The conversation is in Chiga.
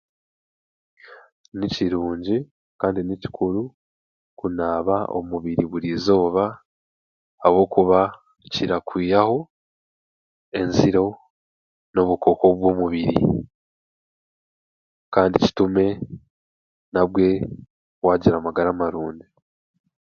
Ni kirungi kandi nikikuru kunaaba omubiri buri eizooba ahabwokuba kirakwihaho enziro n'obukooko bw'omubiri kandi kitume nabwe waagira amagara marungi